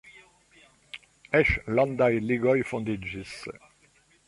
Eĉ landaj ligoj fondiĝis.